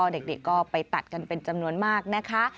เด็กก็ไปตัดกันเป็นจำนวนมากนะคะ